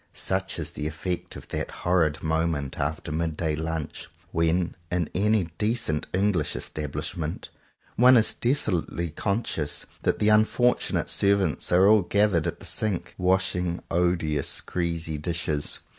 Such is the effect of that horrid moment after mid day lunch; when, in any decent English estab lishment, one is desolately conscious that the unfortunate servants are all gathered at the sink, washing odious greasy dishes.